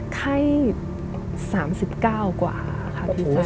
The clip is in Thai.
ไข้๓๙กว่าค่ะ